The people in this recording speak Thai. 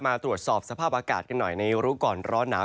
มาตรวจสอบสภาพอากาศกันหน่อยในรู้ก่อนร้อนหนาว